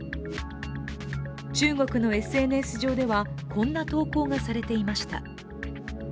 中国のＳＮＳ上では、こんな投稿がされていました。